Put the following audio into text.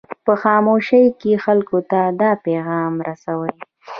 په خاموشۍ کې خلکو ته دا پیغام رسوي.